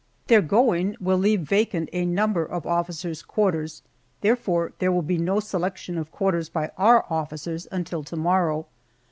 Their going will leave vacant a number of officers' quarters, therefore there will be no selection of quarters by our officers until to morrow.